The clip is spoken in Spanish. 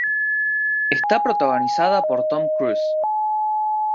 Está protagonizada por Tom Cruise.